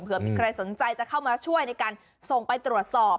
เพื่อมีใครสนใจจะเข้ามาช่วยในการส่งไปตรวจสอบ